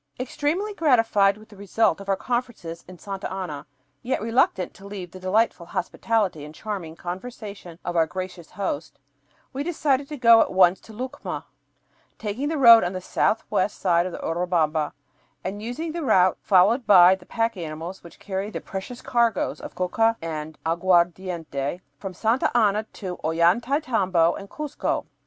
Extremely gratified with the result of our conferences in Santa Ana, yet reluctant to leave the delightful hospitality and charming conversation of our gracious host, we decided to go at once to Lucma, taking the road on the southwest side of the Urubamba and using the route followed by the pack animals which carry the precious cargoes of coca and aguardiente from Santa Ana to Ollantaytambo and Cuzco.